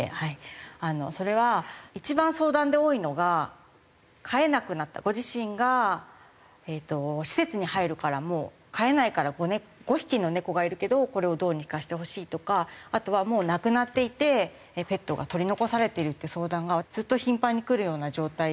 それは一番相談で多いのが飼えなくなったご自身が施設に入るからもう飼えないから５匹の猫がいるけどこれをどうにかしてほしいとかあとはもう亡くなっていてペットが取り残されてるって相談がずっと頻繁にくるような状態で。